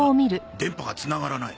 電波がつながらない。